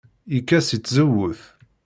Yekka seg tzewwut.